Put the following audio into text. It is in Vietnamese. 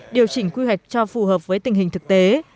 điều chỉnh quy hoạch cho phù hợp với tình hình thực tế